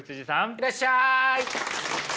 いらっしゃい。